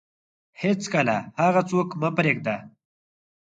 هیڅکله هغه څوک مه پرېږده